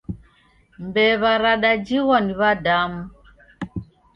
Mbew'a radajighwa ni w'adamu